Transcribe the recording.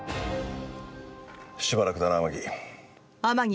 しばらくだな、天樹。